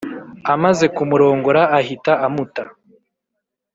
amaze kumurongora ahita amuta